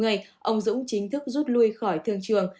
năm hai nghìn một mươi năm ông dũng chính thức rút lui khỏi thương trường